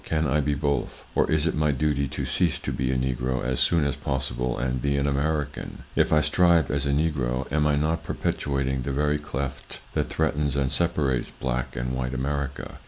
Can I be both? Or is it my duty to cease to be a Negro as soon as possible and be an American? If I strive as a Negro, am I not perpetuating the very cleft that threatens and separates Black and White America?